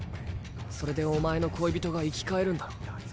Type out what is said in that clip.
それでお前の恋人が生き返るんだろ？